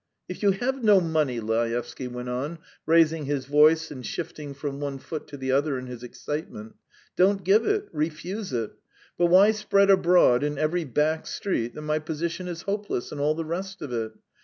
"If you have no money," Laevsky went on, raising his voice and shifting from one foot to the other in his excitement, "don't give it; refuse it. But why spread abroad in every back street that my position is hopeless, and all the rest of it?